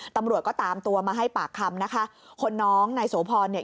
ตำรวจก็ตามตัวมาให้ปากคำนะคะคนน้องนายโสพรเนี่ย